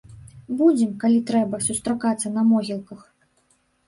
Будзем, калі трэба, сустракацца на могілках.